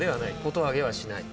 言挙げはしない。